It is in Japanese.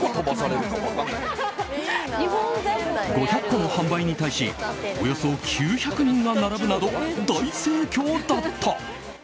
５００個の販売に対しおよそ９００人が並ぶなど大盛況だった。